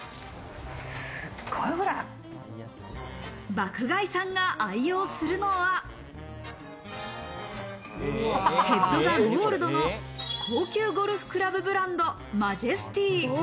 爆買いさんが愛用するのはヘッドがゴールドの高級ゴルフクラブブランド、マジェスティ。